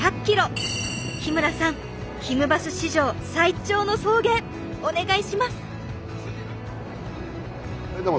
日村さんひむバス史上最長の送迎お願いします！